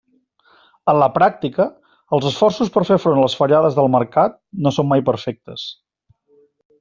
En la pràctica, els esforços per fer front a les fallades del mercat no són mai perfectes.